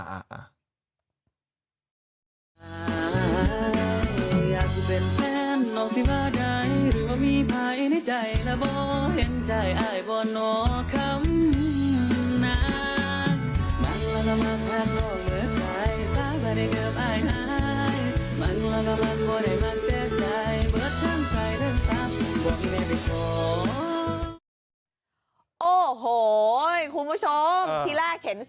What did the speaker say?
เห็นใจอายบ่นโอ้คำนั้น